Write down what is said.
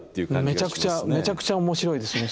めちゃくちゃめちゃくちゃ面白いですね